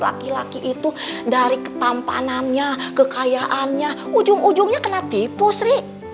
laki laki itu dari ketampanannya kekayaannya ujung ujungnya kena tipu sri